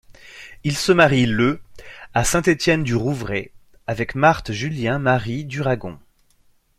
Il se marie le à Saint-Étienne-du-Rouvray avec Marthe Juliette Marie Durragon.